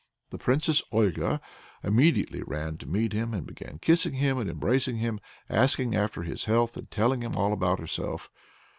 The Princess Olga immediately ran to meet him, and began kissing him and embracing him, asking after his health and telling him all about herself.